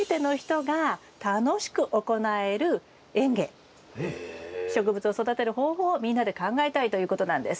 例えば植物を育てる方法をみんなで考えたいということなんです。